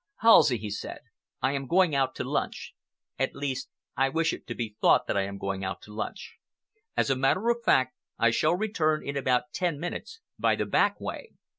"Halsey," he said, "I am going out to lunch. At least, I wish it to be thought that I am going out to lunch. As a matter of fact, I shall return in about ten minutes by the back way.